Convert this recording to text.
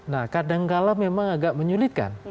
nah kadangkala memang agak menyulitkan